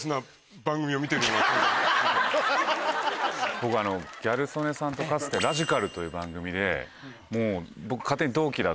僕あのギャル曽根さんとかつて。という番組でもう僕。